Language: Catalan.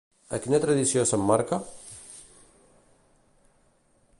A quina tradició s'emmarca?